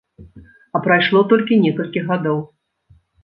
А прайшло толькі некалькі гадоў.